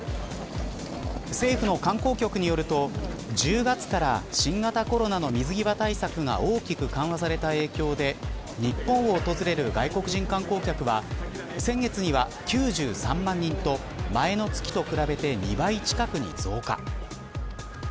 政府の観光局によると１０月から新型コロナの水際対策が大きく緩和された影響で日本を訪れる外国人観光客は先月には９３万人と前の月と比べて２倍近くに増加。